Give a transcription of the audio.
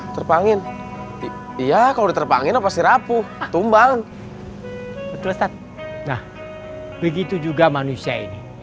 terpangin iya kalau diterpangin pasti rapuh tumbang betul letak nah begitu juga manusia ini